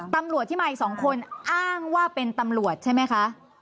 ตำรวจที่มาอีก๒คนอ้างว่าเป็นตำรวจใช่ไหมคะ